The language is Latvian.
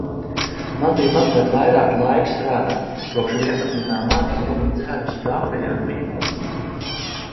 Man bija mazliet vairāk laika strādāt. Kopš vienpadsmitā marta nebiju dzērusi kafiju ar pienu.